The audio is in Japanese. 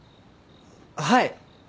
はい。